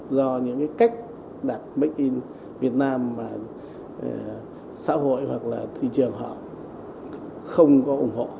do những cái cách đặt make in việt nam mà xã hội hoặc là thị trường họ không có ủng hộ